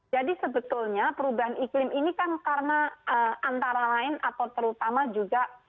jadi sebetulnya perubahan iklim ini kan karena antara lain atau terutama juga